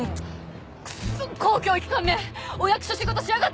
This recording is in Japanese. クッソ公共機関め！お役所仕事しやがって！